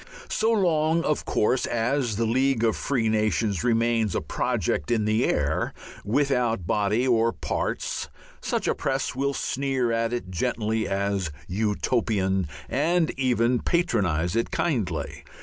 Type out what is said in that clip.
So long, of course, as the League of Free Nations remains a project in the air, without body or parts, such a press will sneer at it gently as "Utopian," and even patronize it kindly.